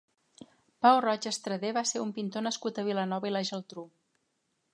Pau Roig Estradé va ser un pintor nascut a Vilanova i la Geltrú.